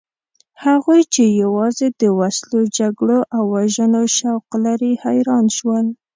هغوی چې یوازې د وسلو، جګړو او وژنو شوق لري حیران شول.